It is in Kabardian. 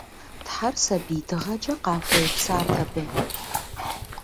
Тхьэр сабий дыгъэкӏэ къахуэупсат абы.